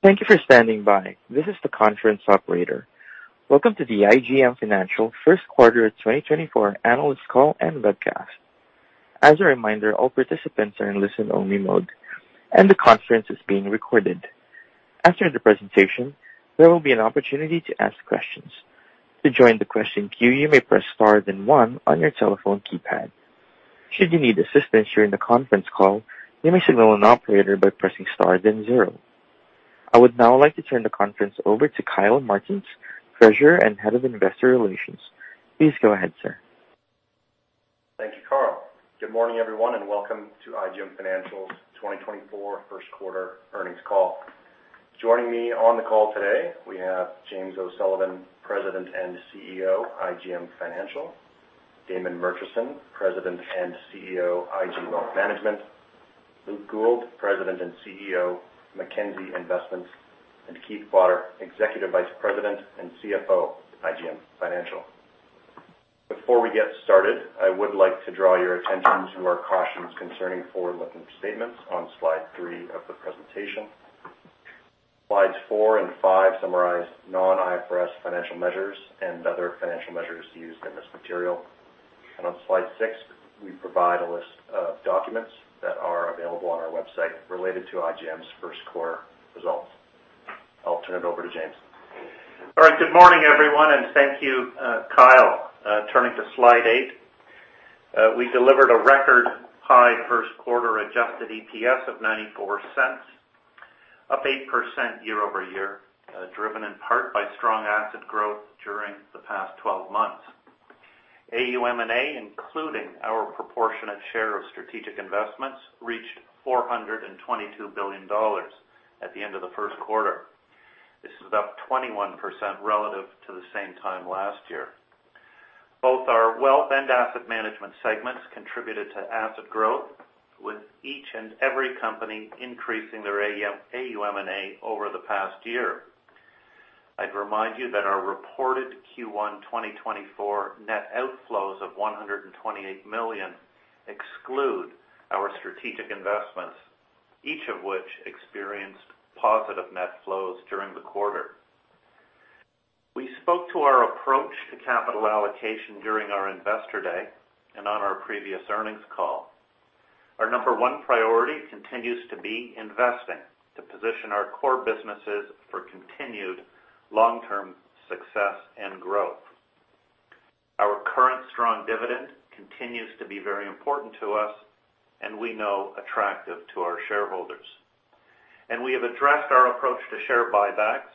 Thank you for standing by. This is the conference operator. Welcome to the IGM Financial First Quarter 2024 Analyst Call and Webcast. As a reminder, all participants are in listen-only mode, and the conference is being recorded. After the presentation, there will be an opportunity to ask questions. To join the question queue, you may press star, then one on your telephone keypad. Should you need assistance during the conference call, you may signal an operator by pressing star, then zero. I would now like to turn the conference over to Kyle Martens, Treasurer and Head of Investor Relations. Please go ahead, sir. Thank you, Carl. Good morning, everyone, and welcome to IGM Financial's 2024 first quarter earnings call. Joining me on the call today, we have James O'Sullivan, President and CEO, IGM Financial; Damon Murchison, President and CEO, IG Wealth Management; Luke Gould, President and CEO, Mackenzie Investments; and Keith Potter, Executive Vice President and CFO, IGM Financial. Before we get started, I would like to draw your attention to our cautions concerning forward-looking statements on slide 3 of the presentation. Slides 4 and 5 summarize non-IFRS financial measures and other financial measures used in this material. On slide 6, we provide a list of documents that are available on our website related to IGM's first quarter results. I'll turn it over to James. All right. Good morning, everyone, and thank you, Kyle. Turning to slide 8, we delivered a record-high first quarter adjusted EPS of 0.94, up 8% year-over-year, driven in part by strong asset growth during the past 12 months. AUM&A, including our proportionate share of strategic investments, reached 422 billion dollars at the end of the first quarter. This is up 21% relative to the same time last year. Both our wealth and asset management segments contributed to asset growth, with each and every company increasing their AUM, AUM&A over the past year. I'd remind you that our reported Q1 2024 net outflows of 128 million exclude our strategic investments, each of which experienced positive net flows during the quarter. We spoke to our approach to capital allocation during our investor day and on our previous earnings call. Our number one priority continues to be investing to position our core businesses for continued long-term success and growth. Our current strong dividend continues to be very important to us, and we know attractive to our shareholders. We have addressed our approach to share buybacks,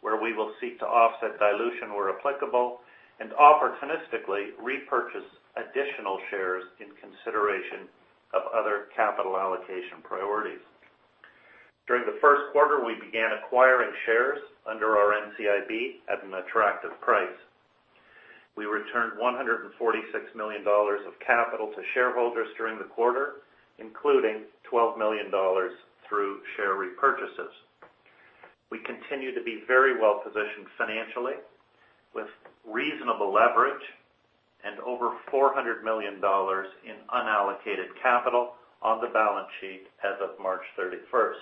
where we will seek to offset dilution where applicable, and opportunistically repurchase additional shares in consideration of other capital allocation priorities. During the first quarter, we began acquiring shares under our NCIB at an attractive price. We returned 146 million dollars of capital to shareholders during the quarter, including 12 million dollars through share repurchases. We continue to be very well-positioned financially, with reasonable leverage and over 400 million dollars in unallocated capital on the balance sheet as of March thirty-first.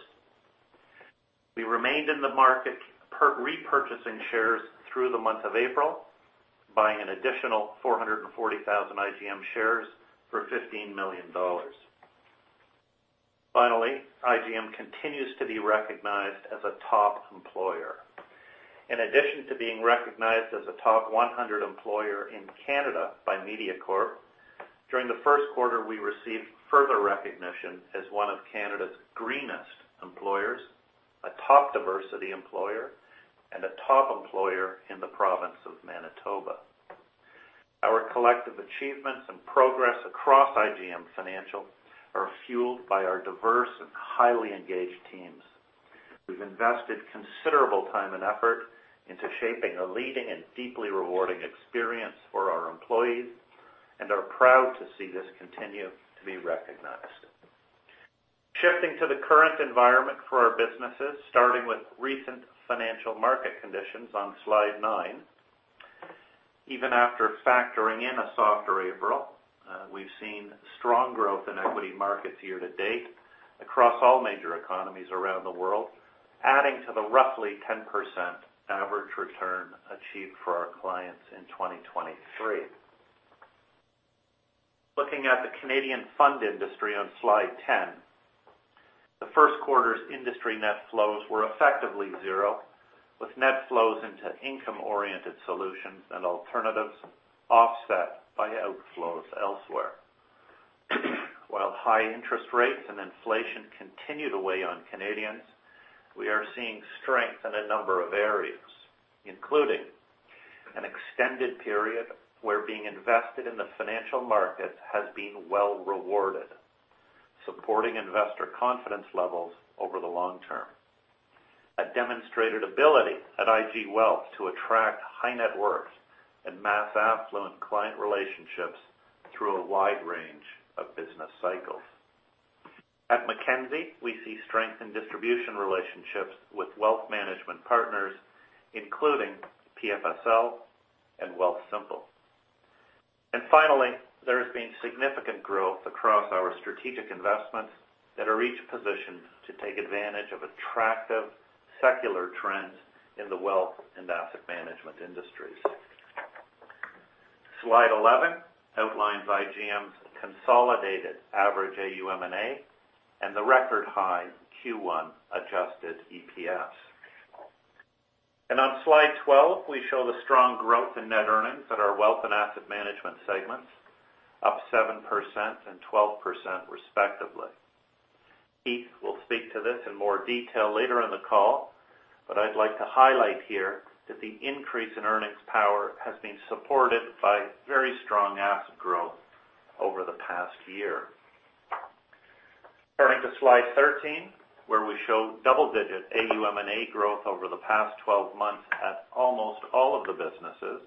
We remained in the market repurchasing shares through the month of April, buying an additional 440,000 IGM shares for CAD 15 million. Finally, IGM continues to be recognized as a top employer. In addition to being recognized as a top 100 employer in Canada by Mediacorp, during the first quarter, we received further recognition as one of Canada's greenest employers, a top diversity employer, and a top employer in the province of Manitoba. Our collective achievements and progress across IGM Financial are fueled by our diverse and highly engaged teams. We've invested considerable time and effort into shaping a leading and deeply rewarding experience for our employees and are proud to see this continue to be recognized. Shifting to the current environment for our businesses, starting with recent financial market conditions on slide 9. Even after factoring in a softer April, we've seen strong growth in equity markets year to date across all major economies around the world, adding to the roughly 10% average return achieved for our clients in 2023. Looking at the Canadian fund industry on slide 10, the first quarter's industry net flows were effectively zero, with net flows into income-oriented solutions and alternatives offset by outflows elsewhere. While high interest rates and inflation continue to weigh on Canadians, we are seeing strength in a number of areas, including an extended period where being invested in the financial markets has been well rewarded, supporting investor confidence levels over the long term. A demonstrated ability at IG Wealth to attract high net worth and mass affluent client relationships through a wide range of business cycles. At Mackenzie, we see strength in distribution relationships with wealth management partners, including PFSL and Wealthsimple. And finally, there has been significant growth across our strategic investments that are each positioned to take advantage of attractive secular trends in the wealth and asset management industries. Slide 11 outlines IGM's consolidated average AUM and A, and the record high Q1 adjusted EPS. And on Slide 12, we show the strong growth in net earnings at our wealth and asset management segments, up 7% and 12%, respectively. Keith will speak to this in more detail later in the call, but I'd like to highlight here that the increase in earnings power has been supported by very strong asset growth over the past year. Turning to slide 13, where we show double-digit AUM and AUM growth over the past 12 months at almost all of the businesses,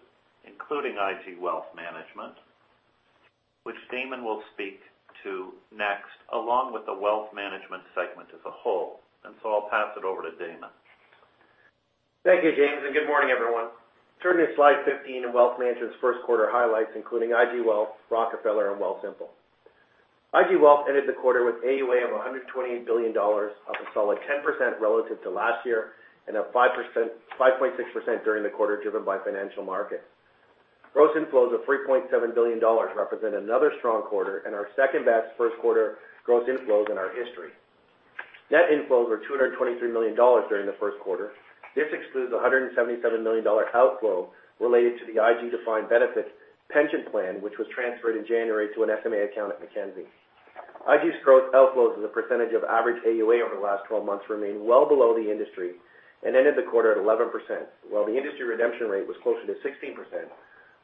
including IG Wealth Management, which Damon will speak to next, along with the wealth management segment as a whole. So I'll pass it over to Damon. Thank you, James, and good morning, everyone. Turning to slide 15 in Wealth Management's first quarter highlights, including IG Wealth, Rockefeller, and Wealthsimple. IG Wealth ended the quarter with AUA of 128 billion dollars, up a solid 10% relative to last year, and up 5%-5.6% during the quarter, driven by financial markets. Gross inflows of 3.7 billion dollars represent another strong quarter and our second best first quarter gross inflows in our history. Net inflows were 223 million dollars during the first quarter. This excludes a 177 million dollar outflow related to the IG defined benefit pension plan, which was transferred in January to an SMA account at Mackenzie. IG's growth outflows as a percentage of average AUA over the last 12 months remain well below the industry and ended the quarter at 11%, while the industry redemption rate was closer to 16%.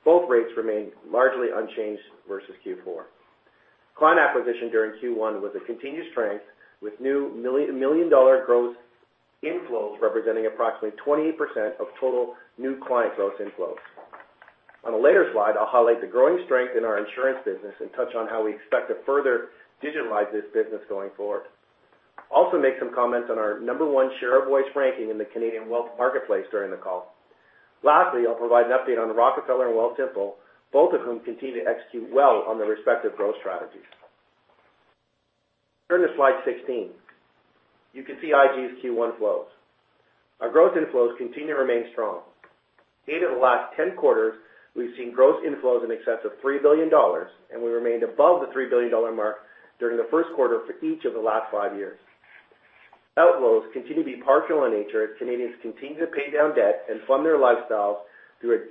Both rates remained largely unchanged versus Q4. Client acquisition during Q1 was a continued strength, with new million-dollar growth inflows representing approximately 28% of total new client growth inflows. On a later slide, I'll highlight the growing strength in our insurance business and touch on how we expect to further digitalize this business going forward. Also, make some comments on our number one share of voice ranking in the Canadian wealth marketplace during the call. Lastly, I'll provide an update on Rockefeller and Wealthsimple, both of whom continue to execute well on their respective growth strategies. Turn to slide 16. You can see IG's Q1 flows. Our growth inflows continue to remain strong. Eight of the last 10 quarters, we've seen gross inflows in excess of 3 billion dollars, and we remained above the 3 billion dollar mark during the first quarter for each of the last 5 years. Outflows continue to be partial in nature, as Canadians continue to pay down debt and fund their lifestyles through a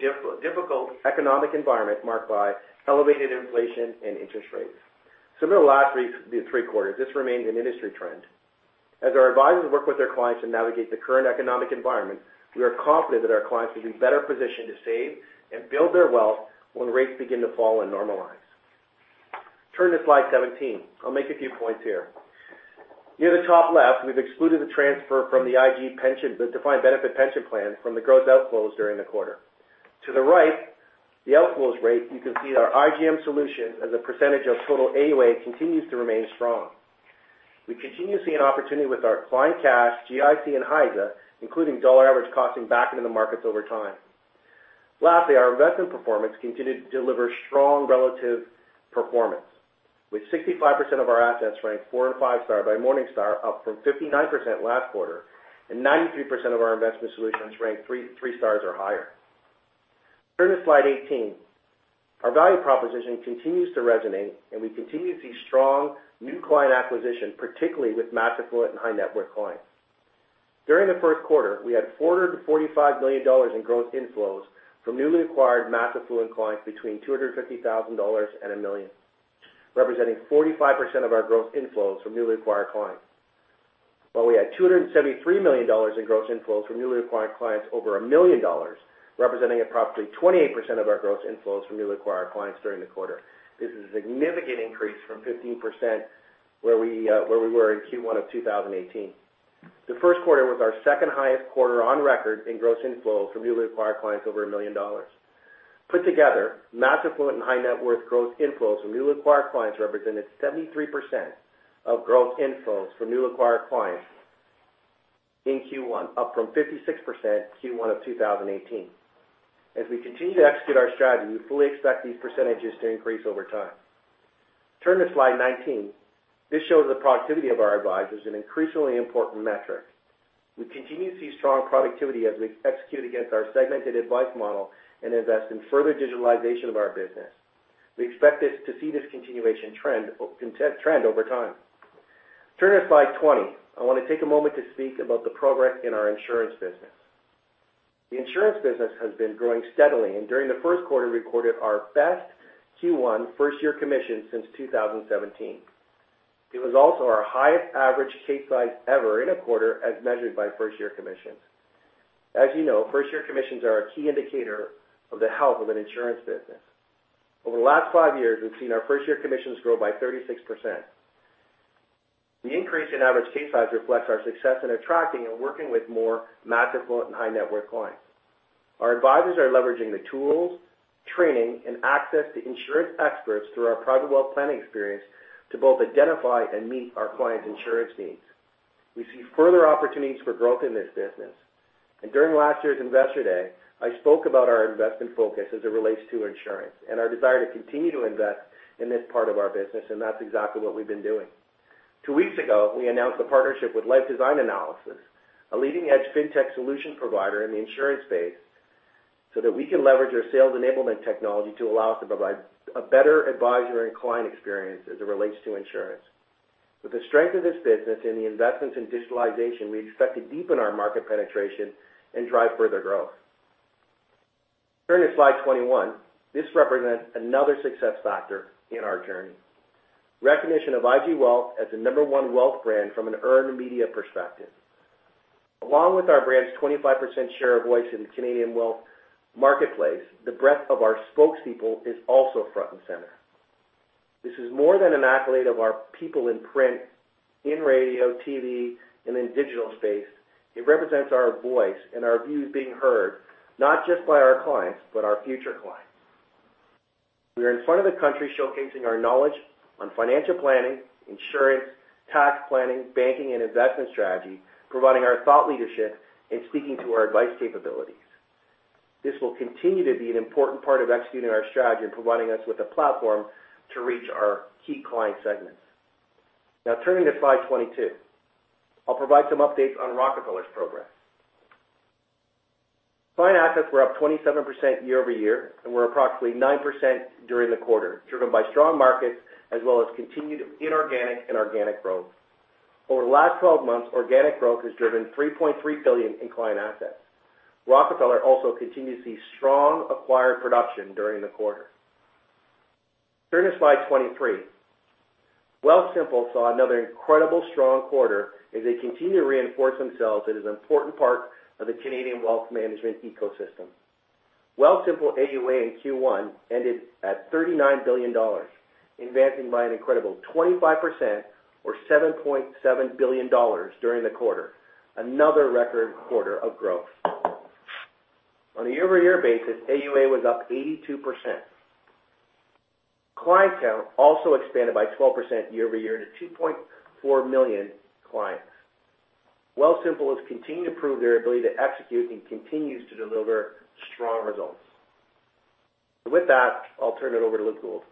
difficult economic environment marked by elevated inflation and interest rates. Similar to the last 3 quarters, this remains an industry trend. As our advisors work with their clients to navigate the current economic environment, we are confident that our clients will be better positioned to save and build their wealth when rates begin to fall and normalize. Turn to slide 17. I'll make a few points here. Near the top left, we've excluded the transfer from the IG Pension, the Defined Benefit Pension Plan, from the gross outflows during the quarter. To the right, the outflows rate, you can see that our IGM solution, as a percentage of total AUA, continues to remain strong. We continue to see an opportunity with our client cash, GIC, and HISA, including dollar-cost averaging back into the markets over time. Lastly, our investment performance continued to deliver strong relative performance, with 65% of our assets ranked 4- and 5-star by Morningstar, up from 59% last quarter, and 93% of our investment solutions ranked 3 stars or higher. Turn to slide 18. Our value proposition continues to resonate, and we continue to see strong new client acquisition, particularly with mass affluent and high net worth clients. During the first quarter, we had CAD 445 million in gross inflows from newly acquired mass affluent clients between 250,000 dollars and 1 million, representing 45% of our growth inflows from newly acquired clients. While we had 273 million dollars in gross inflows from newly acquired clients over 1 million dollars, representing approximately 28% of our gross inflows from newly acquired clients during the quarter. This is a significant increase from 15%, where we, where we were in Q1 of 2018. The first quarter was our second highest quarter on record in gross inflows from newly acquired clients over 1 million dollars. Put together, mass affluent and high net worth growth inflows from newly acquired clients represented 73% of growth inflows from new acquired clients in Q1, up from 56%, Q1 of 2018. As we continue to execute our strategy, we fully expect these percentages to increase over time. Turn to slide 19. This shows the productivity of our advisors, an increasingly important metric. We continue to see strong productivity as we execute against our segmented advice model and invest in further digitalization of our business. We expect to see this continuation trend over time. Turn to slide 20. I want to take a moment to speak about the progress in our insurance business. The insurance business has been growing steadily, and during the first quarter, we recorded our best Q1 first-year commission since 2017. It was also our highest average case size ever in a quarter as measured by first-year commissions. As you know, first-year commissions are a key indicator of the health of an insurance business. Over the last 5 years, we've seen our first-year commissions grow by 36%. The increase in average case size reflects our success in attracting and working with more mass affluent and high net worth clients. Our advisors are leveraging the tools, training, and access to insurance experts through our Private Wealth planning experience to both identify and meet our clients' insurance needs. We see further opportunities for growth in this business. During last year's Investor Day, I spoke about our investment focus as it relates to insurance and our desire to continue to invest in this part of our business, and that's exactly what we've been doing. Two weeks ago, we announced a partnership with Life Design Analysis, a leading-edge fintech solution provider in the insurance space, so that we can leverage their sales enablement technology to allow us to provide a better advisory and client experience as it relates to insurance. With the strength of this business and the investments in digitalization, we expect to deepen our market penetration and drive further growth. Turning to slide 21, this represents another success factor in our journey. Recognition of IG Wealth as the number 1 wealth brand from an earned media perspective. Along with our brand's 25% share of voice in the Canadian wealth marketplace, the breadth of our spokespeople is also front and center. This is more than an accolade of our people in print, in radio, TV, and in digital space. It represents our voice and our views being heard, not just by our clients, but our future clients. We are in front of the country showcasing our knowledge on financial planning, insurance, tax planning, banking, and investment strategy, providing our thought leadership and speaking to our advice capabilities. This will continue to be an important part of executing our strategy and providing us with a platform to reach our key client segments. Now, turning to slide 22. I'll provide some updates on Rockefeller's progress. Client assets were up 27% year-over-year, and were approximately 9% during the quarter, driven by strong markets as well as continued inorganic and organic growth. Over the last 12 months, organic growth has driven $3.3 billion in client assets. Rockefeller also continued to see strong acquired production during the quarter. Turning to slide 23. Wealthsimple saw another incredible strong quarter as they continue to reinforce themselves as an important part of the Canadian wealth management ecosystem. Wealthsimple AUA in Q1 ended at 39 billion dollars, advancing by an incredible 25% or 7.7 billion dollars during the quarter, another record quarter of growth. On a year-over-year basis, AUA was up 82%. Client count also expanded by 12% year-over-year to 2.4 million clients. Wealthsimple has continued to prove their ability to execute and continues to deliver strong results. So with that, I'll turn it over to Luke Gould.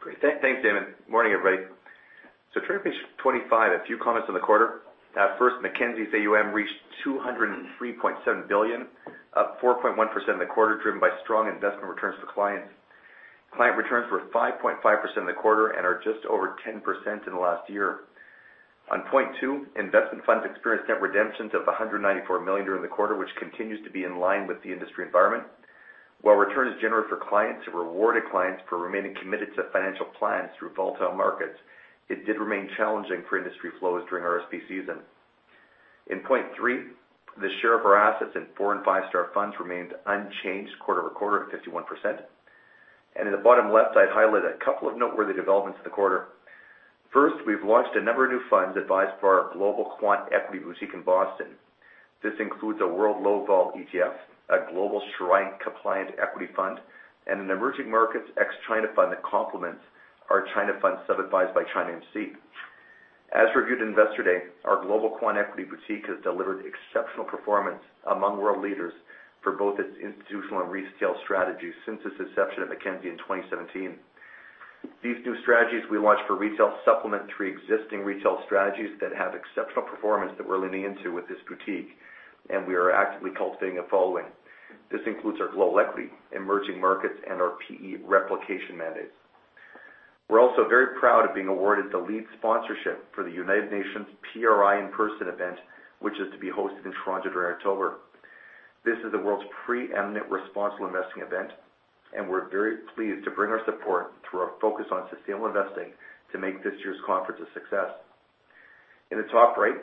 Great. Thanks, Damon. Morning, everybody. So turning to page 25, a few comments on the quarter. First, Mackenzie's AUM reached 203.7 billion, up 4.1% in the quarter, driven by strong investment returns to clients. Client returns were 5.5% in the quarter and are just over 10% in the last year. On point 2, investment funds experienced net redemptions of 194 million during the quarter, which continues to be in line with the industry environment. While returns generated for clients rewarded clients for remaining committed to financial plans through volatile markets, it did remain challenging for industry flows during RSP season. In point 3, the share of our assets in 4- and 5-star funds remained unchanged quarter-over-quarter at 51%. In the bottom left, I'd highlight a couple of noteworthy developments in the quarter. First, we've launched a number of new funds advised by our Global Quant Equity Boutique in Boston. This includes a world low-vol ETF, a global Shariah compliant equity fund, and an emerging markets ex China fund that complements our China fund, sub-advised by ChinaAMC. As reviewed in Investor Day, our Global Quant Equity Boutique has delivered exceptional performance among world leaders for both its institutional and retail strategies since its inception at Mackenzie in 2017. These new strategies we launched for retail supplement three existing retail strategies that have exceptional performance that we're leaning into with this boutique, and we are actively cultivating a following. This includes our global equity, emerging markets, and our PE replication mandates. We're also very proud of being awarded the lead sponsorship for the United Nations PRI in-person event, which is to be hosted in Toronto during October. This is the world's preeminent responsible investing event, and we're very pleased to bring our support through our focus on sustainable investing to make this year's conference a success. In the top right,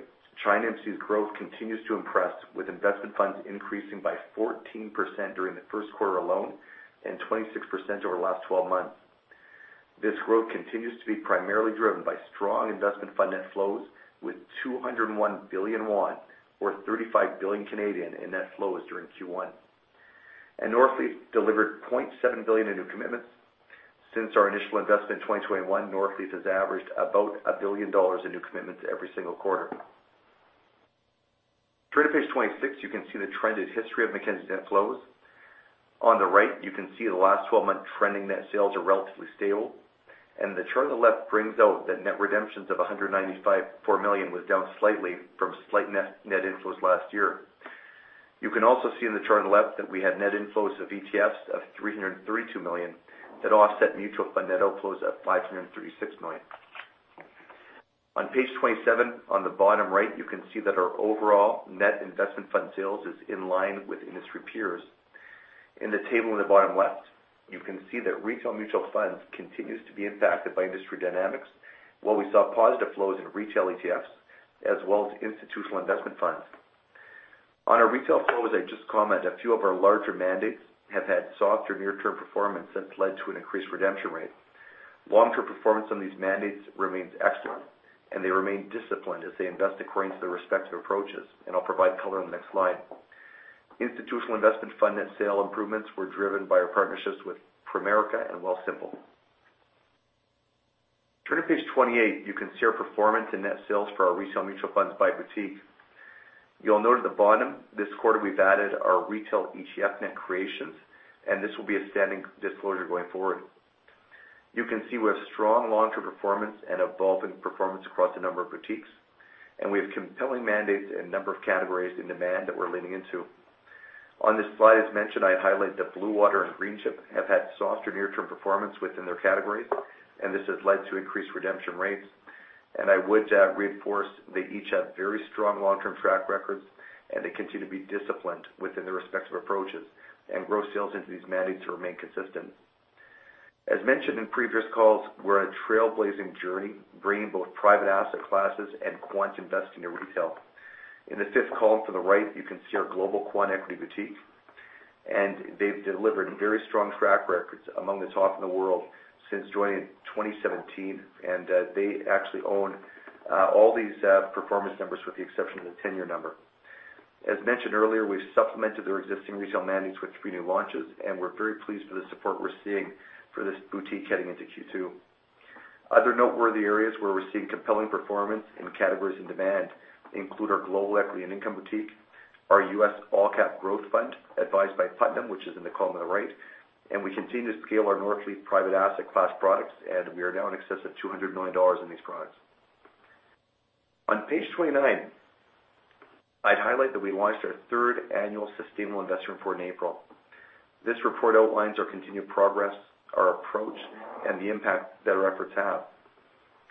ChinaAMC's growth continues to impress, with investment funds increasing by 14% during the first quarter alone and 26% over the last twelve months. This growth continues to be primarily driven by strong investment fund net flows, with CNY 201 billion, or 35 billion, in net flows during Q1. And Northleaf delivered 0.7 billion in new commitments. Since our initial investment in 2021, Northleaf has averaged about 1 billion dollars in new commitments every single quarter. Turning to page 26, you can see the trended history of Mackenzie's net flows. On the right, you can see the last 12-month trending net sales are relatively stable, and the chart on the left brings out that net redemptions of 195.4 million was down slightly from slight net inflows last year. You can also see in the chart on the left that we had net inflows of ETFs of 332 million that offset mutual fund net outflows of 536 million. On page 27, on the bottom right, you can see that our overall net investment fund sales is in line with industry peers. In the table in the bottom left, you can see that retail mutual funds continues to be impacted by industry dynamics, while we saw positive flows in retail ETFs, as well as institutional investment funds. On our retail flows, I'd just comment, a few of our larger mandates have had softer near-term performance that's led to an increased redemption rate. Long-term performance on these mandates remains excellent, and they remain disciplined as they invest according to their respective approaches, and I'll provide color on the next slide. Institutional investment fund net sale improvements were driven by our partnerships with Primerica and Wealthsimple. Turning to page 28, you can see our performance in net sales for our retail mutual funds by boutique. You'll note at the bottom, this quarter, we've added our retail ETF net creations, and this will be a standing disclosure going forward. You can see we have strong long-term performance and evolving performance across a number of boutiques, and we have compelling mandates in a number of categories in demand that we're leaning into. On this slide, as mentioned, I'd highlight that Bluewater and Greenchip have had softer near-term performance within their categories, and this has led to increased redemption rates. I would reinforce they each have very strong long-term track records, and they continue to be disciplined within their respective approaches, and growth sales into these mandates remain consistent. As mentioned in previous calls, we're on a trailblazing journey, bringing both private asset classes and quant investing to retail. In the fifth column to the right, you can see our global quant equity boutique, and they've delivered very strong track records among the top in the world since joining in 2017, and they actually own all these performance numbers with the exception of the ten-year number. As mentioned earlier, we've supplemented their existing retail mandates with three new launches, and we're very pleased with the support we're seeing for this boutique heading into Q2. Other noteworthy areas where we're seeing compelling performance in categories in demand include our global equity and income boutique, our U.S. all-cap growth fund, advised by Putnam, which is in the column on the right, and we continue to scale our Northleaf private asset class products, and we are now in excess of 200 million dollars in these products. On page 29, I'd highlight that we launched our third annual sustainable investment report in April. This report outlines our continued progress, our approach, and the impact that our efforts have.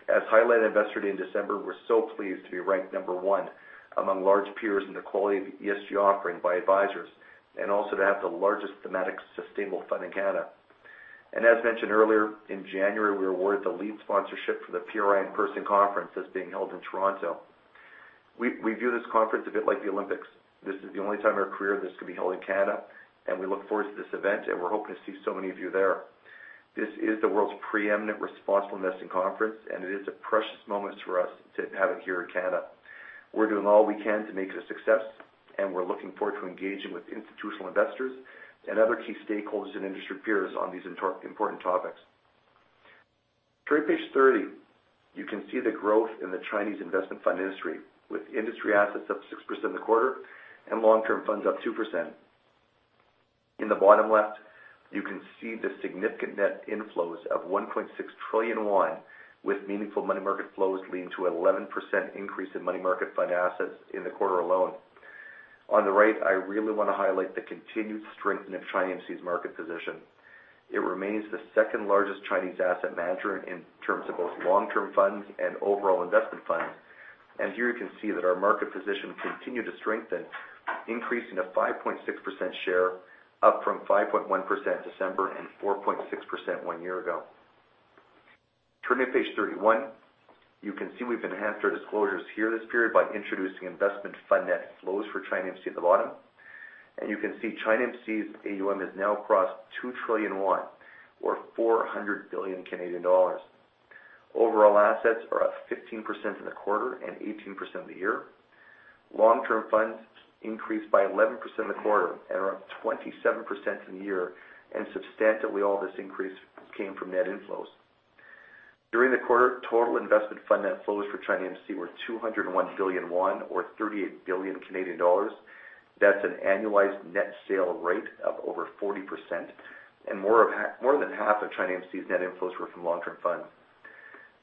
As highlighted at Investor Day in December, we're so pleased to be ranked number one among large peers in the quality of ESG offering by advisors, and also to have the largest thematic sustainable fund in Canada. As mentioned earlier, in January, we were awarded the lead sponsorship for the PRI in-person conference that's being held in Toronto. We view this conference a bit like the Olympics. This is the only time in our career this could be held in Canada, and we look forward to this event, and we're hoping to see so many of you there. This is the world's preeminent responsible investing conference, and it is a precious moment for us to have it here in Canada. We're doing all we can to make it a success, and we're looking forward to engaging with institutional investors and other key stakeholders and industry peers on these important topics. Turning to page 30, you can see the growth in the Chinese investment fund industry, with industry assets up 6% in the quarter and long-term funds up 2%. In the bottom left, you can see the significant net inflows of RMB 1.6 trillion, with meaningful money market flows leading to an 11% increase in money market fund assets in the quarter alone. On the right, I really want to highlight the continued strengthening of ChinaAMC's market position. It remains the second largest Chinese asset manager in terms of both long-term funds and overall investment funds. Here you can see that our market position continued to strengthen, increasing to 5.6% share, up from 5.1% in December and 4.6% one year ago. Turning to page 31, you can see we've enhanced our disclosures here this period by introducing investment fund net flows for ChinaAMC at the bottom. And you can see ChinaAMC's AUM has now crossed RMB 2 trillion, or 400 billion Canadian dollars. Overall assets are up 15% in the quarter and 18% in the year. Long-term funds increased by 11% in the quarter and around 27% in the year, and substantially all this increase came from net inflows. During the quarter, total investment fund net flows for ChinaAMC were 201 billion won or 38 billion Canadian dollars. That's an annualized net sale rate of over 40%, and more than half of ChinaAMC's net inflows were from long-term funds.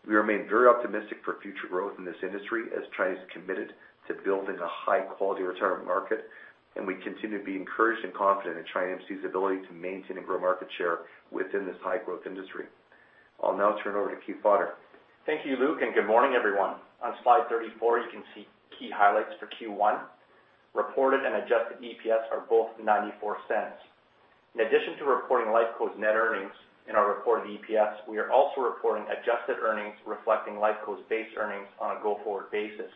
We remain very optimistic for future growth in this industry as China is committed to building a high-quality return market, and we continue to be encouraged and confident in ChinaAMC's ability to maintain and grow market share within this high-growth industry. I'll now turn it over to Keith Potter. Thank you, Luke, and good morning, everyone. On slide 34, you can see key highlights for Q1. Reported and adjusted EPS are both 0.94. In addition to reporting Lifeco's net earnings in our reported EPS, we are also reporting adjusted earnings reflecting Lifeco's base earnings on a go-forward basis.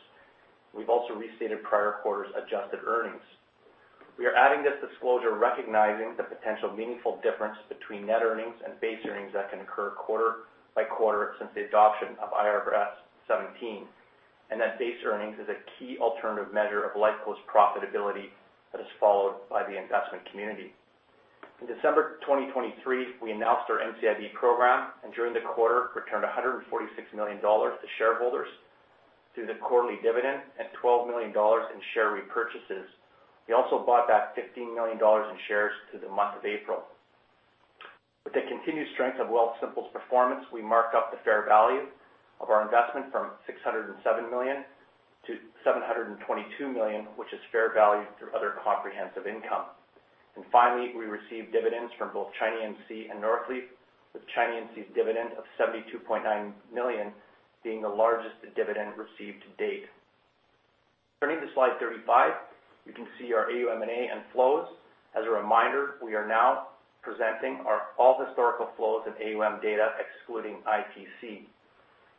We've also restated prior quarters' adjusted earnings. We are adding this disclosure, recognizing the potential meaningful difference between net earnings and base earnings that can occur quarter by quarter since the adoption of IFRS 17, and that base earnings is a key alternative measure of Lifeco's profitability that is followed by the investment community. In December 2023, we announced our NCIB program, and during the quarter, returned 146 million dollars to shareholders through the quarterly dividend and 12 million dollars in share repurchases. We also bought back 15 million dollars in shares through the month of April. With the continued strength of Wealthsimple's performance, we marked up the fair value of our investment from 607 million to 722 million, which is fair value through other comprehensive income. Finally, we received dividends from both ChinaAMC and Northleaf, with ChinaAMC's dividend of 72.9 million being the largest dividend received to date. Turning to slide 35, you can see our AUM and A and flows. As a reminder, we are now presenting our all historical flows of AUM data excluding IPC.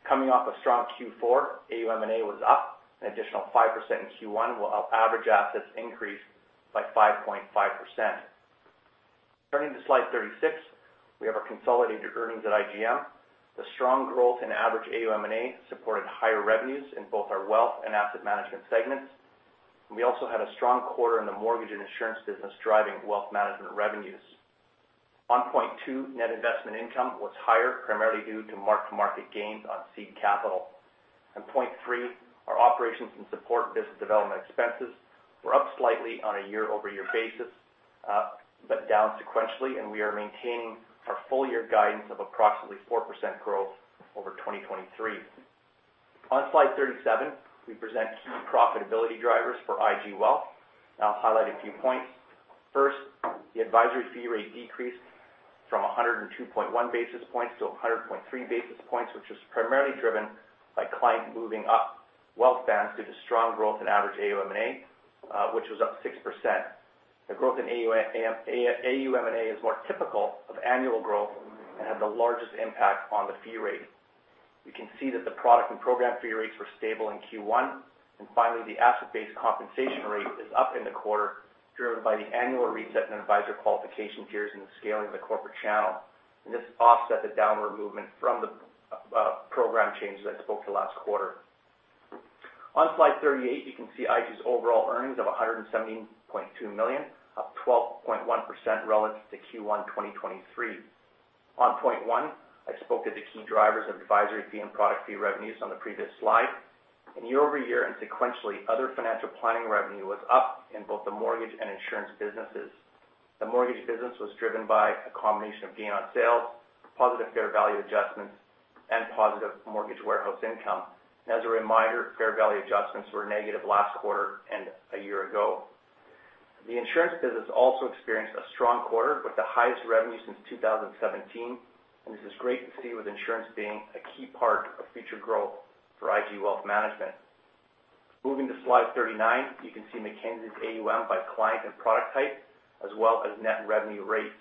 Coming off a strong Q4, AUM&A was up an additional 5% in Q1, while our average assets increased by 5.5%. Turning to slide 36, we have our consolidated earnings at IGM. The strong growth in average AUM&A supported higher revenues in both our wealth and asset management segments.... We also had a strong quarter in the mortgage and insurance business, driving wealth management revenues. On point two, net investment income was higher, primarily due to mark-to-market gains on seed capital. On point three, our operations and support business development expenses were up slightly on a year-over-year basis, but down sequentially, and we are maintaining our full-year guidance of approximately 4% growth over 2023. On slide 37, we present key profitability drivers for IG Wealth. I'll highlight a few points. First, the advisory fee rate decreased from 102.1 basis points to 100.3 basis points, which was primarily driven by client moving up wealth bands due to strong growth in average AUM&A, which was up 6%. The growth in AUM&A is more typical of annual growth and had the largest impact on the fee rate. We can see that the product and program fee rates were stable in Q1. And finally, the asset-based compensation rate is up in the quarter, driven by the annual reset and advisor qualification tiers and the scaling of the corporate channel. This offset the downward movement from the program changes I spoke to last quarter. On slide 38, you can see IG's overall earnings of 117.2 million, up 12.1% relative to Q1 2023. On point one, I spoke to the key drivers of advisory fee and product fee revenues on the previous slide. Year-over-year and sequentially, other financial planning revenue was up in both the mortgage and insurance businesses. The mortgage business was driven by a combination of gain on sales, positive fair value adjustments, and positive mortgage warehouse income. As a reminder, fair value adjustments were negative last quarter and a year ago. The insurance business also experienced a strong quarter with the highest revenue since 2017, and this is great to see with insurance being a key part of future growth for IG Wealth Management. Moving to slide 39, you can see Mackenzie's AUM by client and product type, as well as net revenue rates.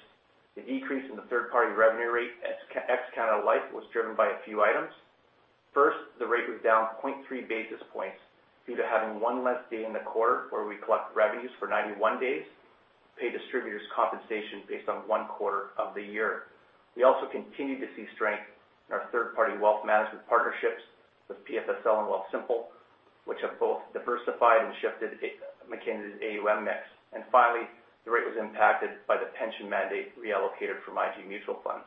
The decrease in the third-party revenue rate ex-Canada Life was driven by a few items. First, the rate was down 0.3 basis points due to having one less day in the quarter, where we collect revenues for 91 days, pay distributors compensation based on one quarter of the year. We also continued to see strength in our third-party wealth management partnerships with PFSL and Wealthsimple, which have both diversified and shifted AUM, Mackenzie's AUM mix. Finally, the rate was impacted by the pension mandate reallocated from IG mutual funds.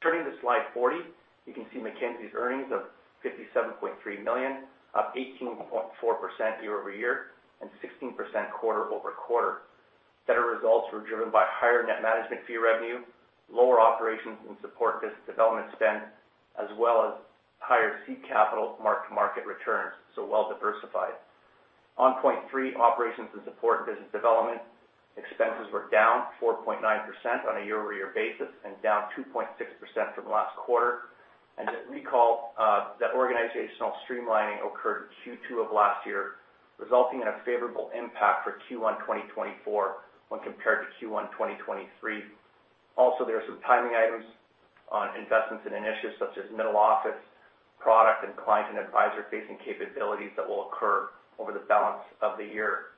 Turning to slide 40, you can see Mackenzie's earnings of 57.3 million, up 18.4% year-over-year and 16% quarter-over-quarter. Better results were driven by higher net management fee revenue, lower operations and support business development spend, as well as higher seed capital mark-to-market returns, so well diversified. On point three, operations and support business development expenses were down 4.9% on a year-over-year basis and down 2.6% from last quarter. Recall that organizational streamlining occurred in Q2 of last year, resulting in a favorable impact for Q1 2024 when compared to Q1 2023. Also, there are some timing items on investments in initiatives such as middle office, product, and client and advisor-facing capabilities that will occur over the balance of the year.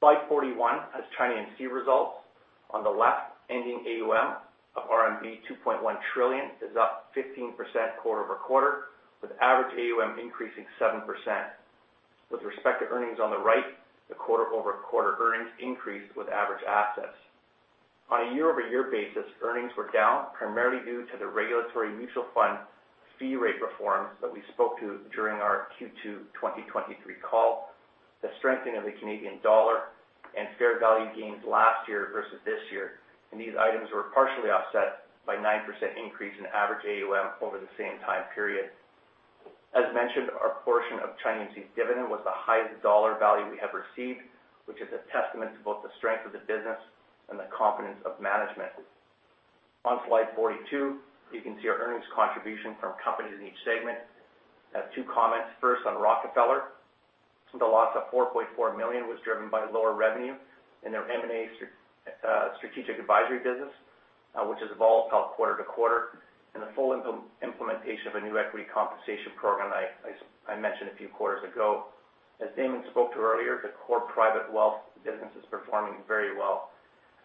Slide 41 has ChinaAMC results. On the left, ending AUM of RMB 2.1 trillion is up 15% quarter-over-quarter, with average AUM increasing 7%. With respect to earnings on the right, the quarter-over-quarter earnings increased with average assets. On a year-over-year basis, earnings were down, primarily due to the regulatory mutual fund fee rate reforms that we spoke to during our Q2 2023 call, the strengthening of the Canadian dollar, and fair value gains last year versus this year. These items were partially offset by 9% increase in average AUM over the same time period. As mentioned, our portion of Chinese dividend was the highest dollar value we have received, which is a testament to both the strength of the business and the confidence of management. On slide 42, you can see our earnings contribution from companies in each segment. I have two comments. First, on Rockefeller, the loss of $4.4 million was driven by lower revenue in their M&A strategic advisory business, which is volatile quarter to quarter, and the full implementation of a new equity compensation program I mentioned a few quarters ago. As Damon spoke to earlier, the core private wealth business is performing very well.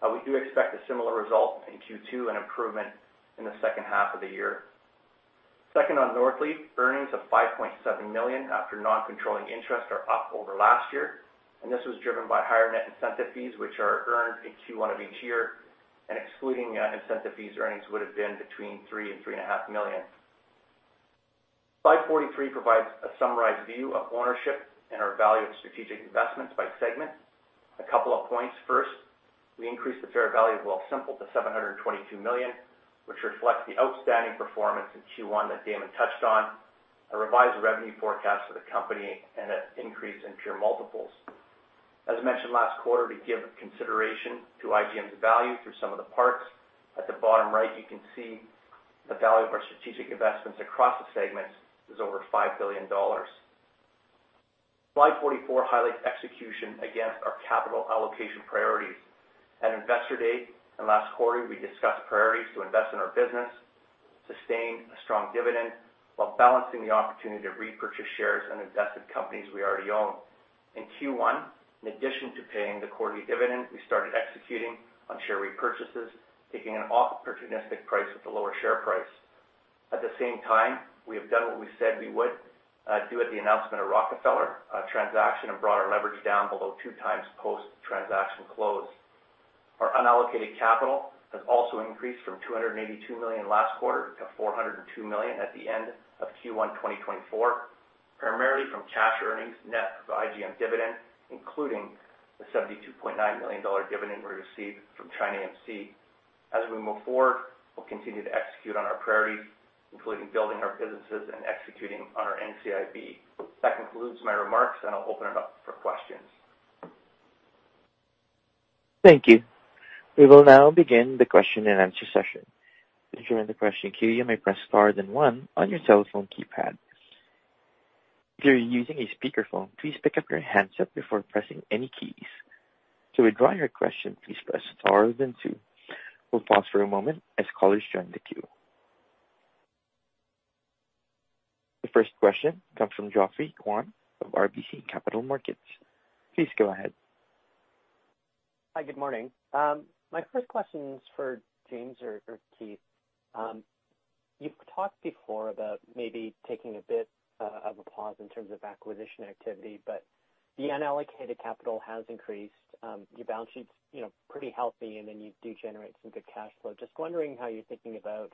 We do expect a similar result in Q2 and improvement in the second half of the year. Second, on Northleaf, earnings of 5.7 million after non-controlling interests are up over last year, and this was driven by higher net incentive fees, which are earned in Q1 of each year, and excluding incentive fees, earnings would have been between 3 million-3.5 million. Slide 43 provides a summarized view of ownership and our value of strategic investments by segment. A couple of points. First, we increased the fair value of Wealthsimple to 722 million, which reflects the outstanding performance in Q1 that Damon touched on, a revised revenue forecast for the company, and an increase in pure multiples. As mentioned last quarter, we give consideration to IGM's value through some of the parts. At the bottom right, you can see the value of our strategic investments across the segments is over 5 billion dollars. Slide 44 highlights execution against our capital allocation priorities. At Investor Day, and last quarter, we discussed priorities to invest in our business, sustain a strong dividend, while balancing the opportunity to repurchase shares and invest in companies we already own. In Q1, in addition to paying the quarterly dividend, we started executing on share repurchases, taking an opportunistic price at the lower share price. At the same time, we have done what we said we would do at the announcement of Rockefeller transaction, and brought our leverage down below 2x post-transaction close. Our unallocated capital has also increased from 282 million last quarter to 402 million at the end of Q1 2024, primarily from cash earnings net of IGM dividend, including the $72.9 million dividend we received from ChinaAMC. As we move forward, we'll continue to execute on our priorities, including building our businesses and executing on our NCIB. That concludes my remarks, and I'll open it up for questions. Thank you. We will now begin the question-and-answer session. To join the question queue, you may press star then one on your telephone keypad. If you're using a speakerphone, please pick up your handset before pressing any keys. To withdraw your question, please press star then two. We'll pause for a moment as callers join the queue. The first question comes from Geoffrey Kwan of RBC Capital Markets. Please go ahead. Hi, good morning. My first question is for James or Keith. You've talked before about maybe taking a bit of a pause in terms of acquisition activity, but the unallocated capital has increased. Your balance sheet's, you know, pretty healthy, and then you do generate some good cash flow. Just wondering how you're thinking about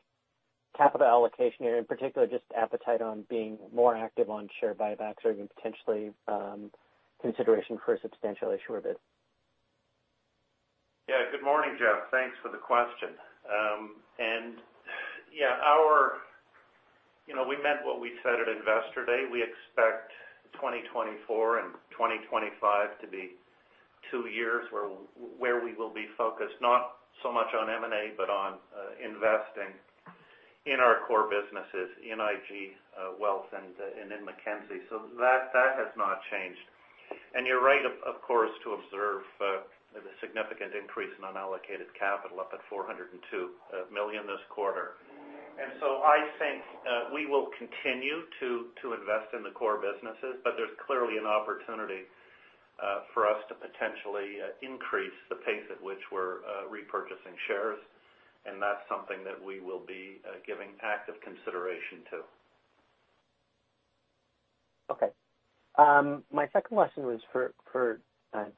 capital allocation or in particular, just appetite on being more active on share buybacks or even potentially consideration for a substantial issue of it? Yeah. Good morning, Geoff. Thanks for the question. And yeah, our—you know, we meant what we said at Investor Day. We expect 2024 and 2025 to be two years where we will be focused, not so much on M&A, but on investing in our core businesses, in IG wealth and in Mackenzie. So that has not changed. And you're right, of course, to observe the significant increase in unallocated capital, up at 402 million this quarter. And so I think we will continue to invest in the core businesses, but there's clearly an opportunity for us to potentially increase the pace at which we're repurchasing shares, and that's something that we will be giving active consideration to. Okay. My second question was for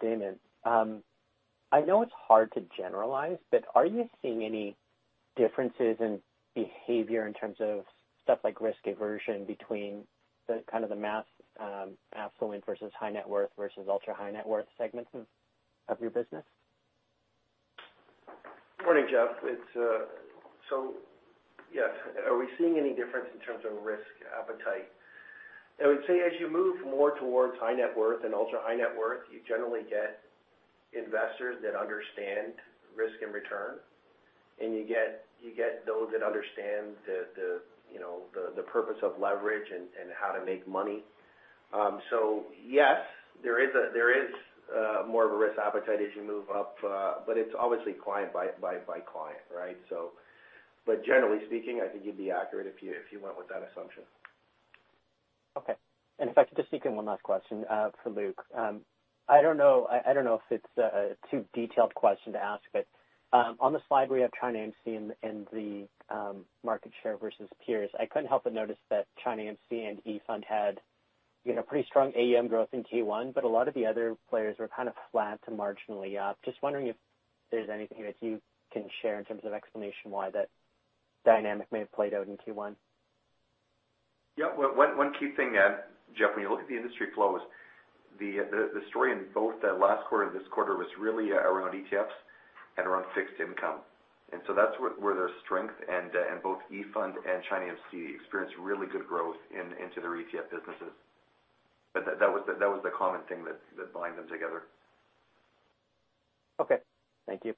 Damon. I know it's hard to generalize, but are you seeing any differences in behavior in terms of stuff like risk aversion between the kind of the mass affluent versus high net worth versus ultra-high net worth segments of your business? Morning, Geoff. So, yeah, are we seeing any difference in terms of risk appetite? I would say, as you move more towards high net worth and ultra-high net worth, you generally get investors that understand risk and return, and you get those that understand the, you know, the purpose of leverage and how to make money. So yes, there is more of a risk appetite as you move up, but it's obviously client by client, right? But generally speaking, I think you'd be accurate if you went with that assumption. Okay. And if I could just sneak in one last question for Luke. I don't know if it's a too detailed question to ask, but on the slide, we have ChinaAMC and the market share versus peers. I couldn't help but notice that ChinaAMC and E Fund had, you know, pretty strong AUM growth in Q1, but a lot of the other players were kind of flat to marginally up. Just wondering if there's anything that you can share in terms of explanation why that dynamic may have played out in Q1. Yeah. One key thing, Geoff, when you look at the industry flows, the story in both the last quarter and this quarter was really around ETFs and around fixed income. And so that's where their strength and both E Fund and ChinaAMC experienced really good growth into their ETF businesses. But that was the common thing that bind them together. Okay. Thank you.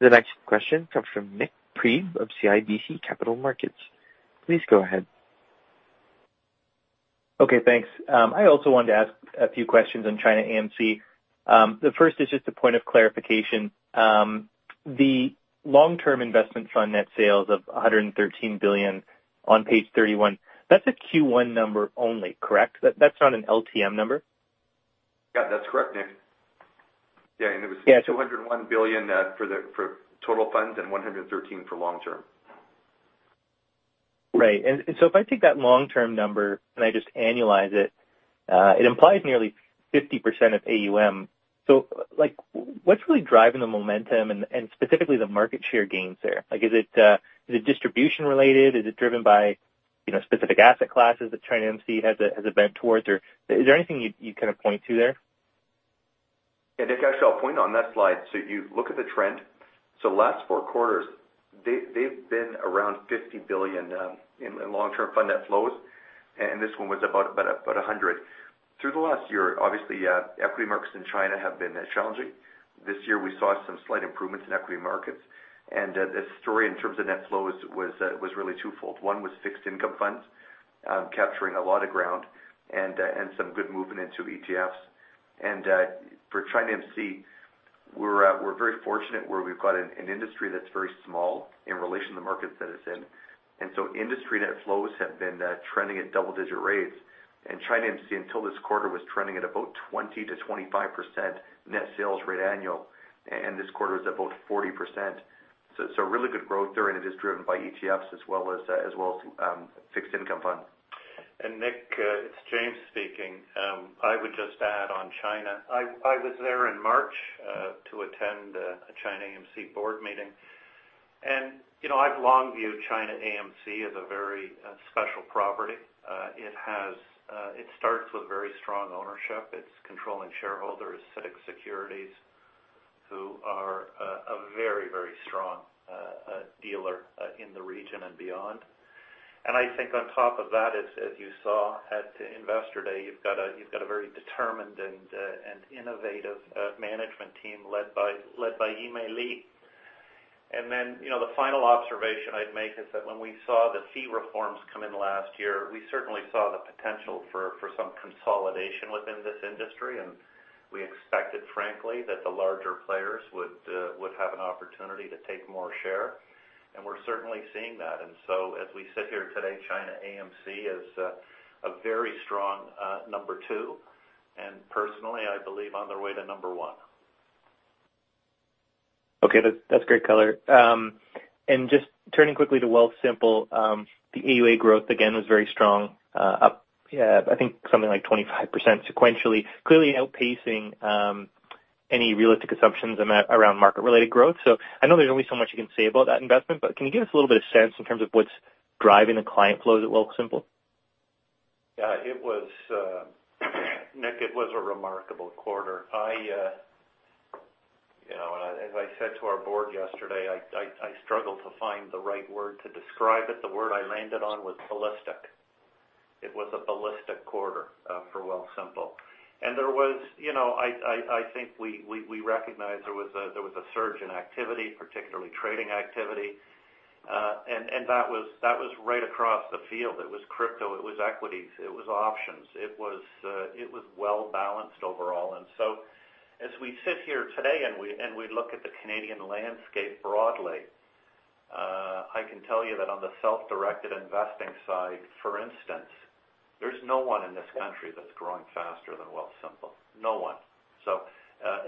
The next question comes from Nik Priebe of CIBC Capital Markets. Please go ahead. Okay, thanks. I also wanted to ask a few questions on ChinaAMC. The first is just a point of clarification. The long-term investment fund net sales of 113 billion on page 31, that's a Q1 number only, correct? That's not an LTM number? Yeah, that's correct, Nik. Yeah, and it was- Yeah. 201 billion for total funds and 113 billion for long term. Right. And so if I take that long-term number and I just annualize it, it implies nearly 50% of AUM. So, like, what's really driving the momentum and specifically the market share gains there? Like, is it distribution related? Is it driven by, you know, specific asset classes that China AMC has, has it been towards, or is there anything you'd kind of point to there? Yeah, Nik, I shall point on that slide. So you look at the trend. So the last four quarters, they've been around 50 billion in long-term fund net flows, and this one was about 100 billion. Through the last year, obviously, equity markets in China have been challenging. This year, we saw some slight improvements in equity markets, and the story in terms of net flows was really twofold. One was fixed income funds capturing a lot of ground and some good movement into ETFs. And for ChinaAMC, we're very fortunate where we've got an industry that's very small in relation to the markets that it's in. And so industry net flows have been trending at double-digit rates. ChinaAMC, until this quarter, was trending at about 20%-25% net sales rate annual, and this quarter is about 40%. So, really good growth there, and it is driven by ETFs as well as fixed income funds. And Nik, it's James speaking. I would just add on China. I was there in March to attend a ChinaAMC board meeting. And, you know, I've long viewed ChinaAMC as a very special property. It has, it starts with very strong ownership. Its controlling shareholder is CITIC Securities, who are a very, very strong dealer in the region and beyond. And I think on top of that, as you saw at Investor Day, you've got a very determined and innovative management team led by Yimei Li. And then, you know, the final observation I'd make is that when we saw the fee reforms come in last year, we certainly saw the potential for some consolidation within this industry, and we expected, frankly, that the larger players would have an opportunity to take more share. And we're certainly seeing that. And so as we sit here today, ChinaAMC is a very strong number two, and personally, I believe on their way to number one. Okay, that's great color. Just turning quickly to Wealthsimple, the AUA growth again was very strong, up, I think something like 25% sequentially, clearly outpacing any realistic assumptions around market-related growth. So I know there's only so much you can say about that investment, but can you give us a little bit of sense in terms of what's driving the client flows at Wealthsimple? Yeah, it was, Nik, it was a remarkable quarter. I, you know, and as I said to our board yesterday, I struggle to find the right word to describe it. The word I landed on was ballistic. It was a ballistic quarter for Wealthsimple. And there was... You know, I think we recognize there was a surge in activity, particularly trading activity, and that was right across the field. It was crypto, it was equities, it was options. It was well-balanced overall. And so as we sit here today and we look at the Canadian landscape broadly, I can tell you that on the self-directed investing side, for instance, there's no one in this country that's growing faster than Wealthsimple. No one.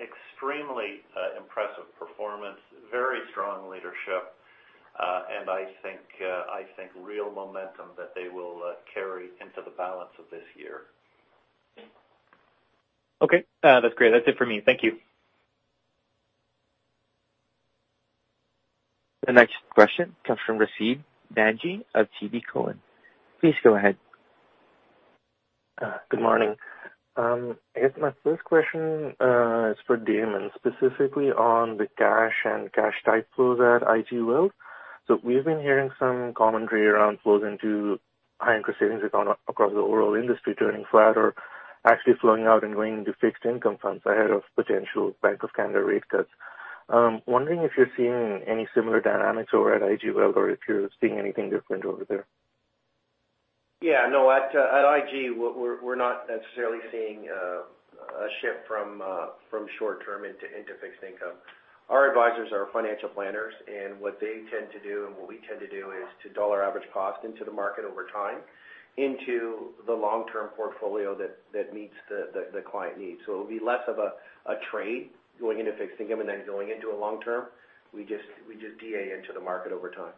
Extremely impressive performance, very strong leadership, and I think real momentum that they will carry into the balance of this year. Okay. That's great. That's it for me. Thank you. The next question comes from Rashed Naji of TD Cowen. Please go ahead. Good morning. I guess my first question is for Damon, specifically on the cash and cash type flows at IG Wealth. So we've been hearing some commentary around flows into high interest savings accounts across the overall industry, turning flat or actually flowing out and going into fixed income funds ahead of potential Bank of Canada rate cuts. Wondering if you're seeing any similar dynamics over at IG Wealth, or if you're seeing anything different over there? Yeah, no, at IG, we're not necessarily seeing a shift from short-term into fixed income. Our advisors are financial planners, and what they tend to do, and what we tend to do is to dollar average cost into the market over time, into the long-term portfolio that meets the client needs. So it'll be less of a trade going into fixed income and then going into a long-term. We just DA into the market over time.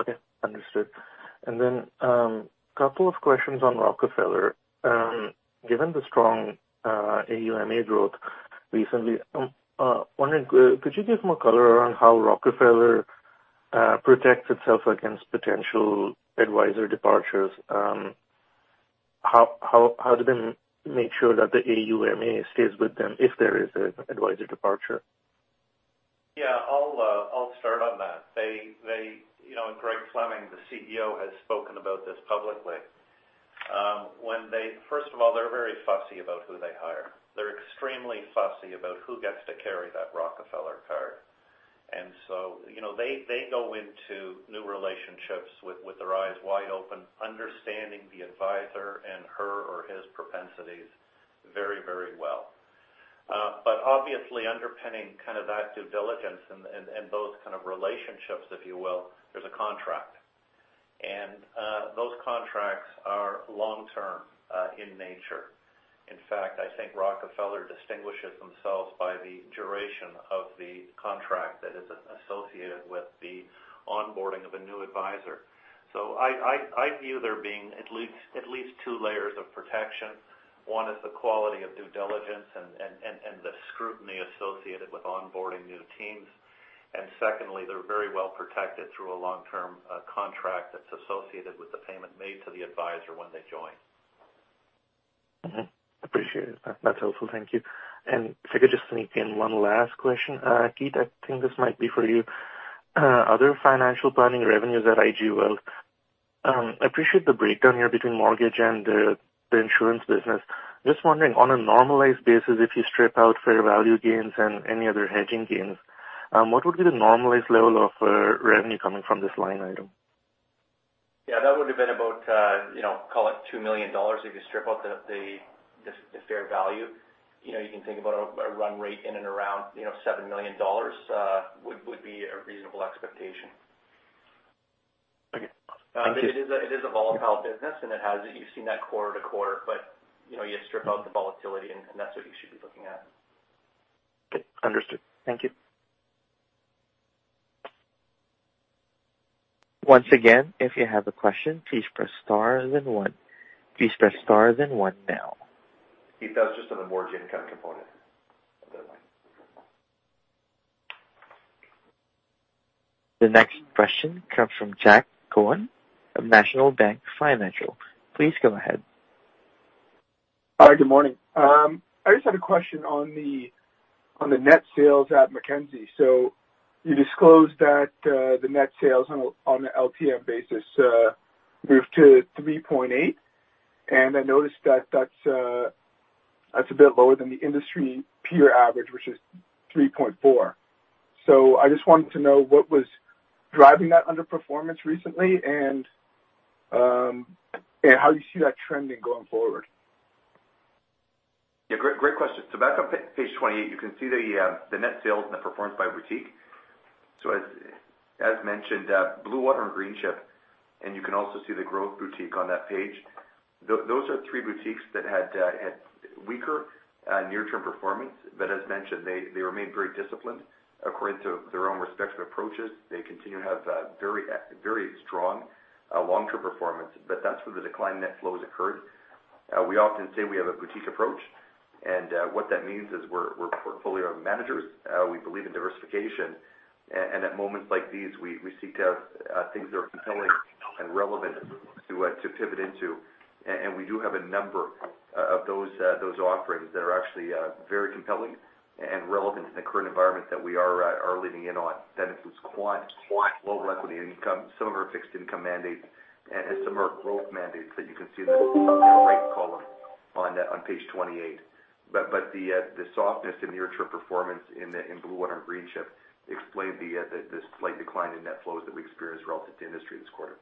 Okay, understood. And then, couple of questions on Rockefeller. Given the strong AUMA growth recently, wondering, could you give more color around how Rockefeller protects itself against potential advisor departures? How do they make sure that the AUMA stays with them if there is an advisor departure? Yeah, I'll, I'll start on that. They, you know, and Greg Fleming, the CEO, has spoken about this publicly. When they... First of all, they're very fussy about who they hire. They're extremely fussy about who gets to carry that Rockefeller card. And so, you know, they go into new relationships with, with their eyes wide open, understanding the advisor and her or his propensities very, very well. But obviously underpinning kind of that due diligence and, and, those kind of relationships, if you will, there's a contract. And, those contracts are long term, in nature. In fact, I think Rockefeller distinguishes themselves by the duration of the contract that is associated with the onboarding of a new advisor. So I view there being at least two layers of protection. One is the quality of due diligence and the scrutiny associated with onboarding new teams. And secondly, they're very well protected through a long-term contract that's associated with the payment made to the advisor when they join. Mm-hmm. Appreciate it. That's helpful. Thank you. And if I could just sneak in one last question. Keith, I think this might be for you. Other financial planning revenues at IG Wealth, I appreciate the breakdown here between mortgage and the insurance business. Just wondering, on a normalized basis, if you strip out fair value gains and any other hedging gains, what would be the normalized level of revenue coming from this line item? Yeah, that would have been about, you know, call it 2 million dollars. If you strip out the fair value, you know, you can think about a run rate in and around, you know, 7 million dollars would be a reasonable expectation. Okay. Thank you. It is a volatile business, and it has. You've seen that quarter to quarter, but, you know, you strip out the volatility and that's what you should be looking at. Okay, understood. Thank you. Once again, if you have a question, please press star, then one. Please press star, then one now. It does just on the mortgage income component of that line. The next question comes from Jack Cohen of National Bank Financial. Please go ahead. Hi, good morning. I just had a question on the net sales at Mackenzie. So you disclosed that the net sales on an LTM basis moved to 3.8, and I noticed that that's a bit lower than the industry peer average, which is 3.4. So I just wanted to know what was driving that underperformance recently and how you see that trending going forward? Yeah, great, great question. So back on page 28, you can see the net sales and the performance by boutique. So as mentioned, Bluewater and Greenchip, and you can also see the growth boutique on that page. Those are three boutiques that had weaker near-term performance, but as mentioned, they remain very disciplined according to their own respective approaches. They continue to have very strong long-term performance, but that's where the decline in net flows occurred. We often say we have a boutique approach, and what that means is we're portfolio managers. We believe in diversification, and at moments like these, we seek out things that are compelling and relevant to pivot into. We do have a number of those offerings that are actually very compelling and relevant in the current environment that we are leaning in on. That includes quant, global equity and income, some of our fixed income mandates, and some of our growth mandates that you can see in the right column on page 28. But the softness in near-term performance in Blue Water and Greenchip explain the slight decline in net flows that we experienced relative to industry this quarter.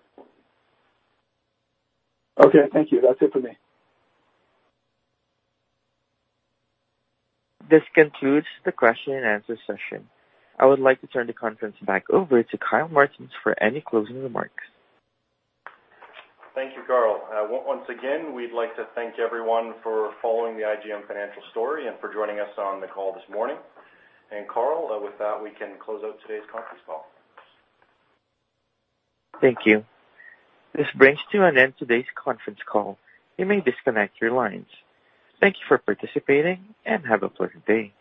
Okay, thank you. That's it for me. This concludes the question and answer session. I would like to turn the conference back over to Kyle Martens for any closing remarks. Thank you, Carl. Once again, we'd like to thank everyone for following the IGM Financial story and for joining us on the call this morning. Carl, with that, we can close out today's conference call. Thank you. This brings to an end today's conference call. You may disconnect your lines. Thank you for participating, and have a pleasant day.